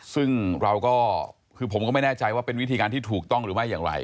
ซึ่งเราก็คือผมก็ไม่แน่ใจว่าเป็นวิธีการที่ถูกต้องหรือไม่อย่างไร